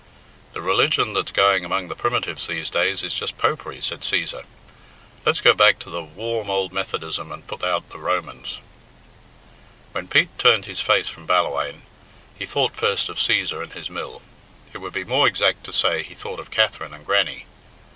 "The religion that's going among the Primitives these days is just Popery," said Cæsar. "Let's go back to the warm ould Methodism and put out the Romans." When Pete turned his face from Ballawhaine, he thought first of Cæsar and his mill. It would be more exact to say he thought of Katherine and Grannie.